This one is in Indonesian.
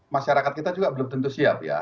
masyarakat kita juga belum tentu siap ya